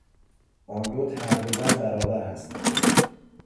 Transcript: آن دو تقریبا برابر هستند.